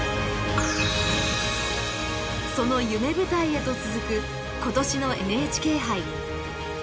その夢舞台へと続く今年のＮＨＫ杯。